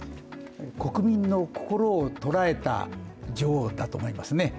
国民の心を捉えた女王だと思いますね。